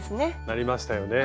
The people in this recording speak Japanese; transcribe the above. なりましたよね。